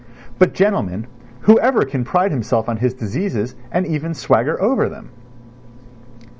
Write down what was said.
But, gentlemen, whoever can pride himself on his diseases and even swagger over them?